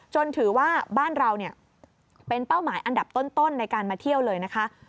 ถือว่าบ้านเราเป็นเป้าหมายอันดับต้นในการมาเที่ยวเลยนะคะ